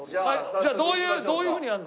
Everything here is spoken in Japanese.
じゃあどういうふうにやるの？